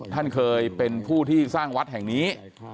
ท่านเคยเป็นผู้ที่สร้างวัดแห่งนี้